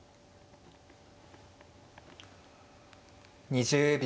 ２０秒。